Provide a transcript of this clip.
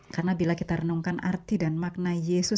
karena bila kita renungkan arti dan makna yesus